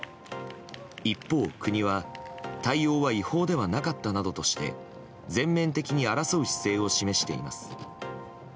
一方、国は対応は違法ではなかったなどとして全面的に争う姿勢を示しています。